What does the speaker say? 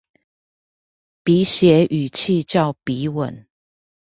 筆寫語氣叫筆吻